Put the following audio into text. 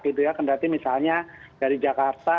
gitu ya kendali misalnya dari jakarta